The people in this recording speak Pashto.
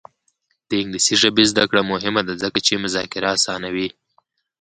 د انګلیسي ژبې زده کړه مهمه ده ځکه چې مذاکره اسانوي.